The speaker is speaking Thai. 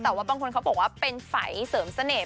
แต่ว่าบางคนเขาบอกว่าเป็นไฝเสริมเสน่ห